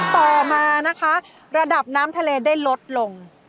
ต่อมานะคะระดับน้ำทะเลได้ลดลง